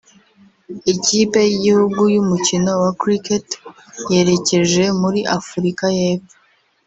Ikipe y’igihugu y’umukino wa Cricket yerekeje muri Afurika y’epfo